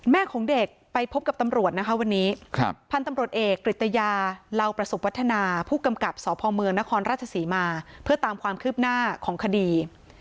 ของเด็กไปพบกับตำรวจนะคะวันนี้พันธุ์ตำรวจเอกกริตยาเหล่าประสบวัฒนาผู้กำกับสพเมืองนครราชศรีมาเพื่อตามความคืบหน้าของคดี